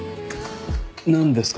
なんですか？